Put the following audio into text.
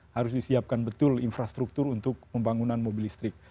harus disiapkan betul infrastruktur untuk pembangunan mobil listrik